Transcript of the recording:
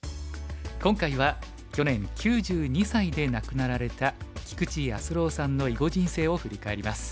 今回は去年９２歳で亡くなられた菊池康郎さんの囲碁人生を振り返ります。